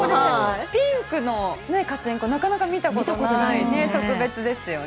ピンクのカチンコなかなか見たことない特別ですよね。